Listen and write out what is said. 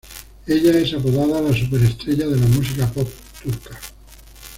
Ella es apodada la superestrella de la música pop turca.